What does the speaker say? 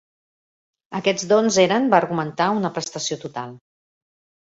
Aquests dons eren, va argumentar, una prestació total.